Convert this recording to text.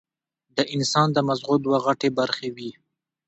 د انسان د مزغو دوه غټې برخې وي